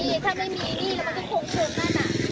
เขาบอกไม่เห็นหนูได้ไง